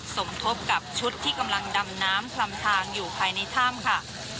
สมทบกับชุดที่กำลังดำน้ำคลำทางอยู่ภายในถ้ำค่ะ